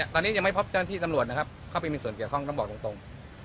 ตอนนี้ยังไม่พบเจ้าหน้าที่ตำรวจนะครับเข้าไปมีส่วนเกี่ยวข้องต้องบอกตรง